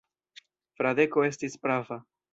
Fradeko estis prava.